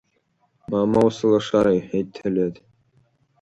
Мамоу, сылашара, — иҳәеит Ҭелеҭ.